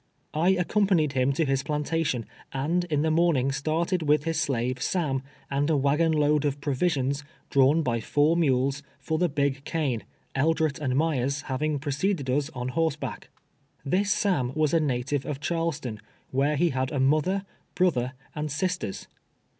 I accompanied liim to liis plantation, and in the morning started with his slave Sam, and a Avagon load of provisions, drawn l)y four mules, for the Big Cane, Eldret and Myers liav ing preceded us on horseback. This Sam was a na tive of Charleston, where he had a mother, brother and sisters.